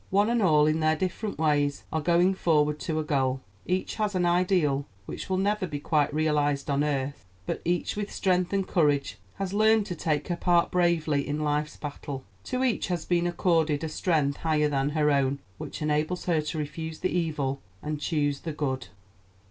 One and all in their different ways are going forward to a goal. Each has an ideal which will never be quite realized on earth; but each with strength and courage has learned to take her part bravely in life's battle. To each has been accorded a strength higher than her own, which enables her to refuse the evil and choose the good.